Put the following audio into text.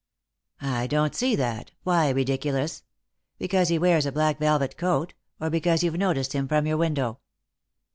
" I don't see that. Why ridiculous ? Because he wears a black velvet coat, or because you've noticed him from your window